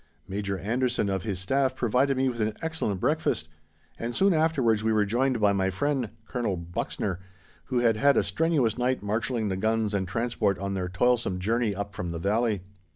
Major Anderson of his Staff provided me with an excellent breakfast, and soon afterwards we were joined by my friend, Colonel Bruxner, who had had a strenuous night marshalling the guns and transport on their toilsome journey up from the Valley.